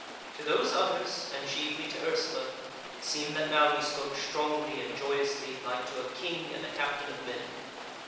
To those others, and chiefly to Ursula, it seemed that now he spoke strongly and joyously, like to a king and a captain of men.